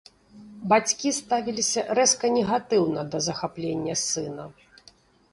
Бацькі ставіліся рэзка негатыўна да захаплення сына.